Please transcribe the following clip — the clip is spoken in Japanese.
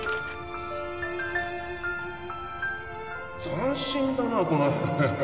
斬新だなこの辺